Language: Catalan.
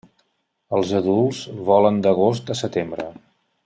Els adults volen d'agost a setembre.